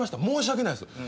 申し訳ないです」